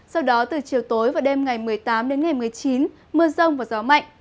sau đó từ chiều tối và đêm ngày một mươi tám đến ngày một mươi chín mưa rông và gió mạnh